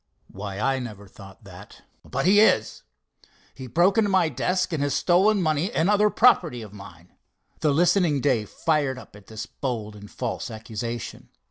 "Why, I never thought that." "But he is. He broke into my desk, and has stolen money and other property of mine." The listening Dave fired up at this bold and false accusation.